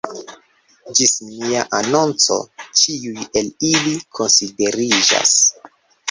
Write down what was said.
Ĝis nia anonco ĉiuj el ili konsideriĝas.